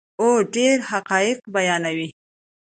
او ډیر حقایق بیانوي.